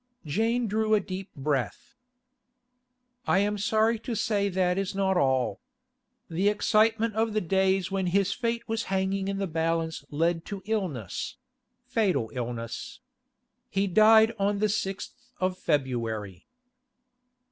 Jane drew a deep breath. 'I am sorry to say that is not all. The excitement of the days when his fate was hanging in the balance led to illness—fatal illness. He died on the sixth of February.